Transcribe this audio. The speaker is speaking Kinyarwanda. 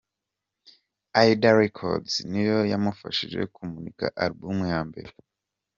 Ida Records niyo yamufashije kumurika album ya mbere.